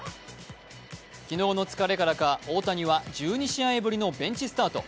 昨日の疲れからか大谷は１２試合ぶりのベンチスタート。